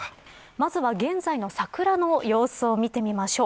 まずは現在の桜の様子を見てみましょう。